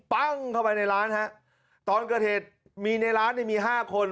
ปั้งเข้าไปในร้านฮะตอนเกิดเหตุมีในร้านเนี่ยมี๕คน